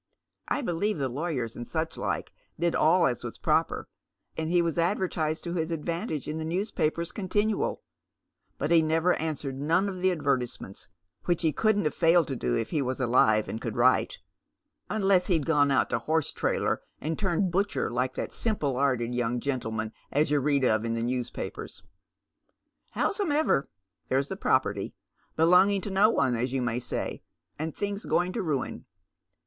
I believe the lawyers and such like did all as was proper, and he was adver tised to his advantage in the newspapers continual, but he nevei answered none of the advertisements, which he couldn't hav4 failed to do if he was alive and could write — unless he'd goim out to Horsetralyer and turned butcher like that simple 'arteii young gentleman as you read of in the newspapers. Howsome dever, there's the property, belonging to no one, as you may say, and tilings going to ruin.